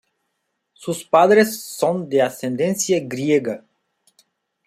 Sus padres son de ascendencia griega.